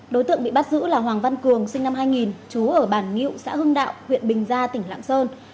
đối tượng bị bắt giữ là hoàng văn cường sinh năm hai nghìn trú ở bản ngự xã hưng đạo huyện bình gia tỉnh lạng sơn